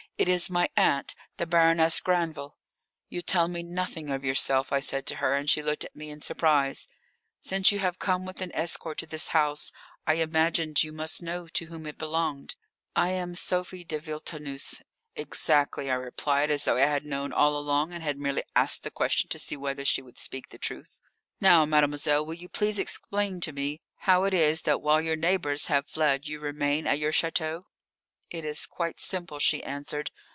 "It is my aunt, the Baroness Granville." "You tell me nothing of yourself," I said to her, and she looked at me in surprise. "Since you have come with an escort to this house I imagined you must know to whom it belonged. I am Sophie de Villetaneuse." "Exactly," I replied, as though I had known all along, and had merely asked the question to see whether she would speak the truth. "Now, mademoiselle, will you please explain to me how it is that while your neighbours have fled you remain at your château?" "It is quite simple," she answered.